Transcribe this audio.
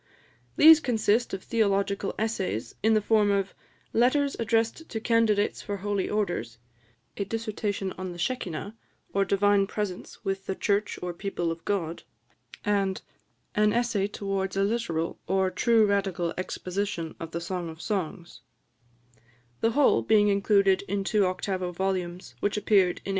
These consist of theological essays, in the form of "Letters addressed to Candidates for Holy Orders," "A Dissertation on the Sheckinah, or Divine Presence with the Church or People of God," and "An Essay towards a literal or true radical exposition of the Song of Songs," the whole being included in two octavo volumes, which appeared in 1809.